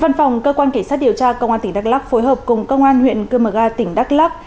văn phòng cơ quan kỳ sát điều tra công an tỉnh đắk lắk phối hợp cùng công an huyện cư mờ ga tỉnh đắk lắk